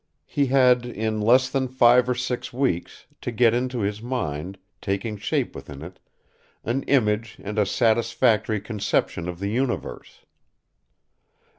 He had, in less than five or six weeks, to get into his mind, taking shape within it, an image and a satisfactory conception of the universe.